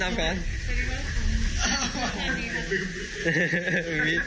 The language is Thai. มีโดยมี